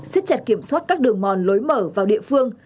xích chặt kiểm soát các đường mòn lối mở vào địa phương